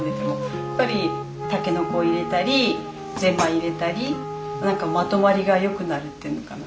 やっぱりタケノコ入れたりゼンマイ入れたり何かまとまりが良くなるっていうのかな。